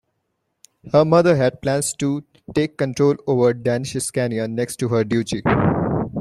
Her mother had plans to take control over Danish Scania, next to her duchy.